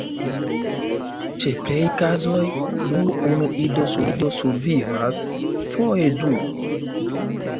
Ĉe plej kazoj nur unu ido survivas, foje du.